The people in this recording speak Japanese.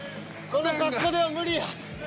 この格好では無理や。